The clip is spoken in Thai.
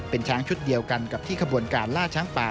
เป็นช้างชุดเดียวกันกับที่ขบวนการล่าช้างป่า